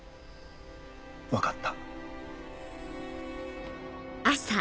分かった。